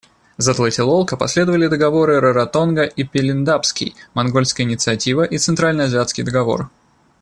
За Тлателолко последовали договоры Раротонга и Пелиндабский, монгольская инициатива и центральноазиатский Договор.